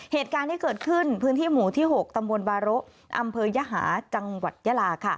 เหตุการณ์ที่เกิดขึ้นพื้นที่หมู่ที่๖ตำบลบาโละอำเภอยหาจังหวัดยาลา